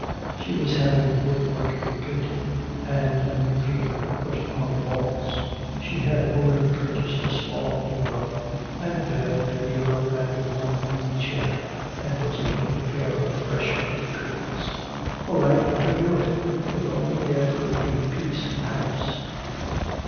She was having the woodwork repainted and a new paper put on the walls. She had already purchased a small new rug, and a bed and a bureau and one easy chair, and was making a pair of fresh pretty curtains. All right, let her do it if only there could be peace in the house.